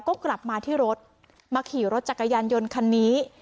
ก็กลับมาที่รถมาขี่รถจักรยานยนต์คันนี้